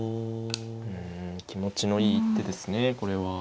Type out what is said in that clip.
うん気持ちのいい一手ですねこれは。